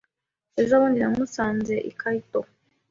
Ejo bundi, namusanze i Kyoto.